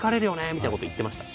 みたいなこと言ってました。